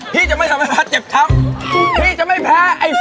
ราวดำชิม